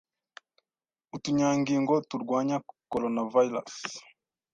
Utunyangingo turwanya Corona virus